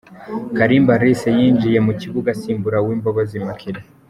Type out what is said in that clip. Kalimba Alice yinjiye mu kibuga asimbura Uwimbabazi Immaculee.